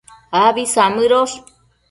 Abi samëdosh